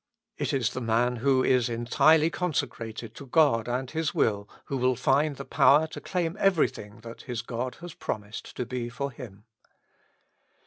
It is the man who is entirely consecrated to God and His will who will find the power come to claim every thing that His God has promised to be for him.